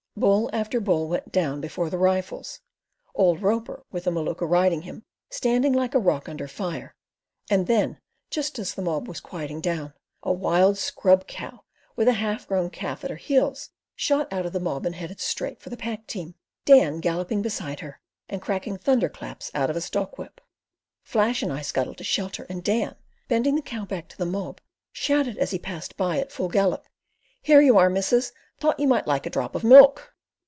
Bull after bull went down before the rifles, old Roper, with the Maluka riding him, standing like a rock under fire; and then, just as the mob was quieting down, a wild scrub cow with a half grown calf at her heels shot out of the mob and headed straight for the pack team, Dan galloping beside her and cracking thunderclaps out of a stock whip. Flash and I scuttled to shelter, and Dan, bending the cow back to the mob, shouted as he passed by, at full gallop: "Here you are, missus; thought you might like a drop of milk."